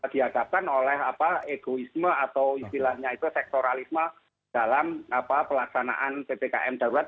dihadapkan oleh egoisme atau istilahnya itu sektoralisme dalam pelaksanaan ppkm darurat